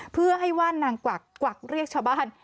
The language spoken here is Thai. เพื่อให้ว่านนางกวักกวักเรียกชาวบ้าน